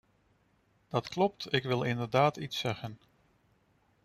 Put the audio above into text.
Dat klopt, ik wil inderdaad iets zeggen.